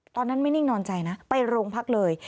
ตอนนั้นไม่นิ่งนอนใจนะไปโรงพักเลย